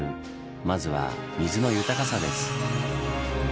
まずは「水の豊かさ」です。